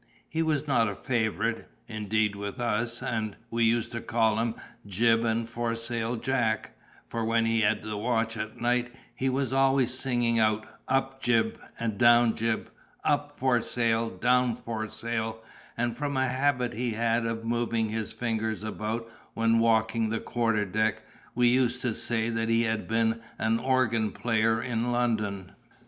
He was not a favorite, indeed, with us, and we used to call him "Jib and Foresail Jack," for when he had the watch at night, he was always singing out, "Up jib," and "Down jib;" "Up foresail," "Down foresail;" and from a habit he had of moving his fingers about when walking the quarter deck, we used to say that he had been an organ player in London.